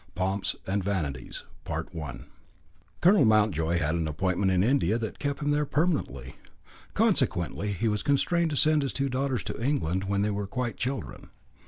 POMPS AND VANITIES Colonel Mountjoy had an appointment in India that kept him there permanently. Consequently he was constrained to send his two daughters to England when they were quite children.